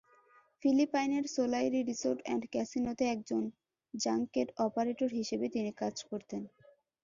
ফিলিপাইনের Solaire resort and ক্যাসিনোতে একজন জাংকেট অপারেটর হিসেবে তিনি কাজ করতেন।